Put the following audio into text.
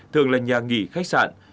thường là nhà nghỉ khách sạn